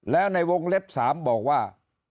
แล้วในวงเล็บ๓บอกว่า